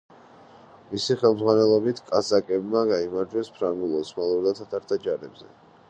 მისი ხელმძღვანელობით კაზაკებმა გაიმარჯვეს ფრანგულ, ოსმალურ და თათართა ჯარებზე.